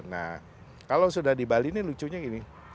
nah kalau sudah di bali ini lucunya gini